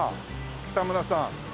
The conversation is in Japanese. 北村さん。